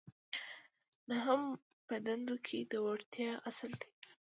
نهم په دندو کې د وړتیا اصل دی.